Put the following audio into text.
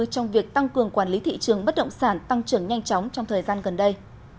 trong việc tăng cường quản lý thị trường bất động sản tăng trưởng nhanh chóng trong thời gian gần đây